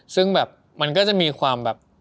ซึ่งแบบมันก็จะมีความแบบ